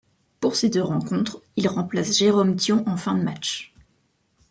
Pour ces deux rencontres, il remplace Jérôme Thion en fin de match.